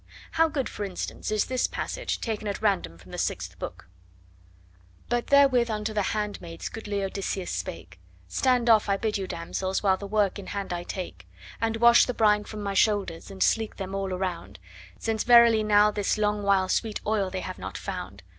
How good, for instance, is this passage taken at random from the Sixth Book: But therewith unto the handmaids goodly Odysseus spake: 'Stand off I bid you, damsels, while the work in hand I take, And wash the brine from my shoulders, and sleek them all around. Since verily now this long while sweet oil they have not found.